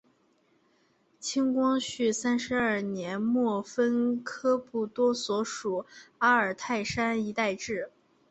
清光绪三十二年末分科布多所属阿尔泰山一带置。